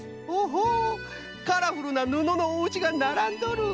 ほほうカラフルなぬののおうちがならんどる！